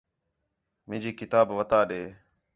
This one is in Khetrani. مینجی کتاب وَتا ݙے